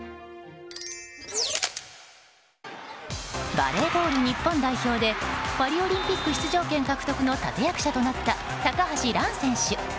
バレーボール日本代表でパリオリンピック出場権獲得の立役者となった高橋藍選手。